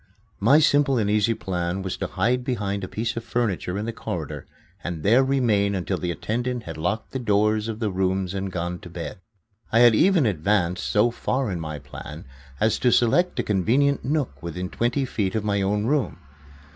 My simple and easy plan was to hide behind a piece of furniture in the corridor and there remain until the attendant had locked the doors of the rooms and gone to bed. I had even advanced so far in my plan as to select a convenient nook within twenty feet of my own room.